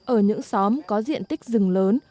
ở những xóm có diện tích rừng lớn